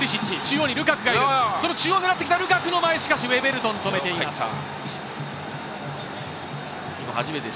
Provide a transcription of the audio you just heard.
中央を狙ってきたルカクの前、しかしウェベルトン、止めています。